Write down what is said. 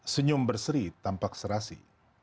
senyum berseri tanpa keserasi